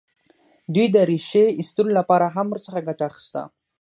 دوی د ریښې ایستلو لپاره هم ورڅخه ګټه اخیسته.